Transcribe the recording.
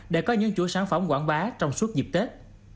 để có những chuỗi sản phẩm quảng bá trong suốt dịp tết